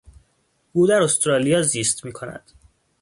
او در استرالیا زیست میکند.